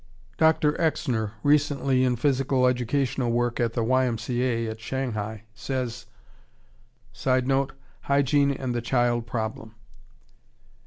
Dr. Exner, recently in physical educational work in the Y. M. C. A. at Shanghai, says: [Sidenote: Hygiene and the child problem.